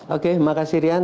oke makasih rian